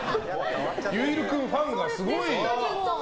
結流君ファンがすごい。